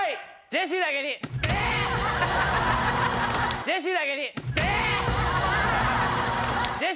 ジェシーだけにジェ！